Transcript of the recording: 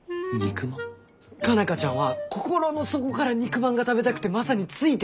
佳奈花ちゃんは心の底から肉まんが食べたくてマサについてきたんだよ。